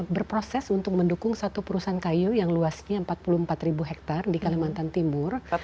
berproses untuk mendukung satu perusahaan kayu yang luasnya empat puluh empat ribu hektare di kalimantan timur